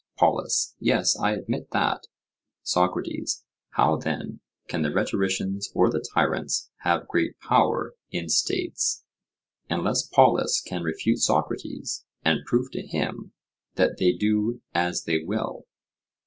POLUS: Yes; I admit that. SOCRATES: How then can the rhetoricians or the tyrants have great power in states, unless Polus can refute Socrates, and prove to him that they do as they will?